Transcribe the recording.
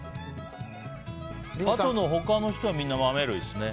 他の人はみんな豆類ですね。